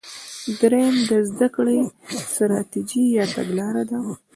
دریم د زده کړې ستراتیژي یا تګلاره ده.